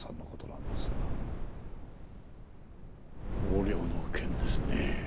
横領の件ですね。